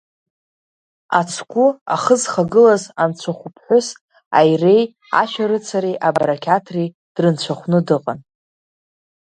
Ацгәы ахы зхагылаз анцәахәыԥҳәыс аиреи, ашәарыцареи, абарақьаҭреи дрынцәахәны дыҟан.